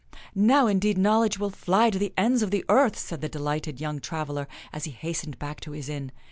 " Now, indeed, knowledge will fly to the ends of the earth," said the delighted young traveler as he hastened back to his inn.